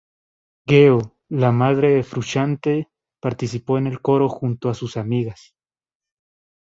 Gail, la madre de Frusciante, participó en el coro junto a sus amigas.